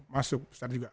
masuk besar juga